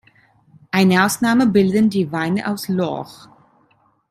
Eine Ausnahme bilden die Weine aus Lorch.